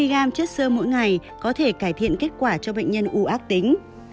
hai mươi g chất sơ mỗi ngày có thể cải thiện kết quả cho bệnh nhân